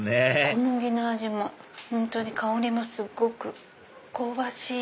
小麦の味も本当に香りもすっごく香ばしい。